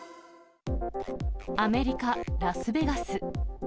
アメリカ・ラスベガス。